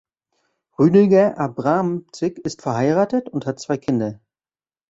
Rüdiger Abramczik ist verheiratet und hat zwei Kinder.